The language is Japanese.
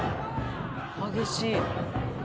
激しい。